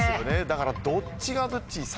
だからどっちがどっち。